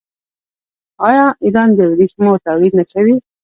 آیا ایران د ورېښمو تولید نه کوي؟